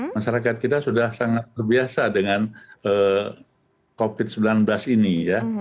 masyarakat kita sudah sangat terbiasa dengan covid sembilan belas ini ya